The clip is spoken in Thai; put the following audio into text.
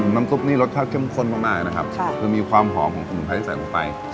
น้ำซุปนี่รสชาติเข้มข้นมากนะครับคือมีความหอมของสมุนไพรที่ใส่ลงไป